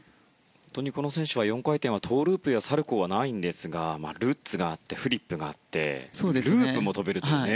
この選手は４回転はトウループやサルコウはないんですがルッツがあってフリップがあってループも跳べるというね。